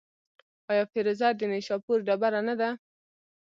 آیا فیروزه د نیشاپور ډبره نه ده؟